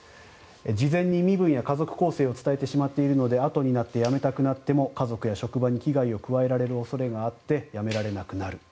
事前に身分や家族構成を伝えてしまっているのであとになってやめたくなっても家族や職場に危害を加えられる恐れがあってやめられなくなる。